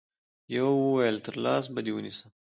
يوه ويل تر لاس به دي ونيسم